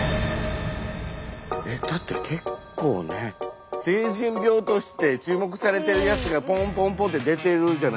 だって結構ね成人病として注目されてるやつがポンポンポンって出てるじゃないですか。